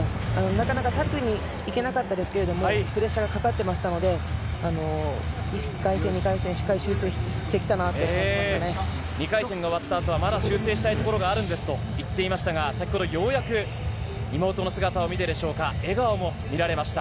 なかなかタックルにいけなかったですけれども、プレッシャーがかかってましたので、１回戦、２回戦、しっかり修正してきたな２回戦が終わったあとはまだ修正したいところがあるんですと言っていましたが、先ほどようやく妹の姿を見てでしょうか、笑顔も見られました。